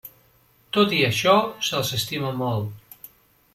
Tot i això, se'ls estima molt.